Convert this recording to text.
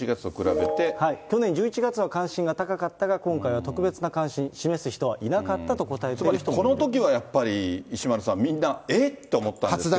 去年１１月は関心が高かったが、今回は特別な関心、つまり、このときはやっぱり、石丸さん、みんな、えっと思ったですけど。